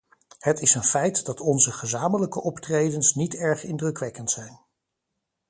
Het is een feit dat onze gezamenlijke optredens niet erg indrukwekkend zijn.